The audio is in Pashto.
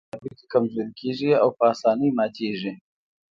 په دې حالت کې هډوکي کمزوري کېږي او په آسانۍ ماتېږي.